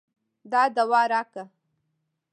دا دوا راکه.